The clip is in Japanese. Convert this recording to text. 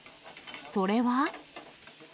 それは。